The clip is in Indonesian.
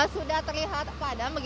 sudah terlihat padam